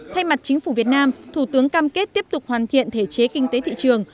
thay mặt chính phủ việt nam thủ tướng cam kết tiếp tục hoàn thiện thể chế kinh tế thị trường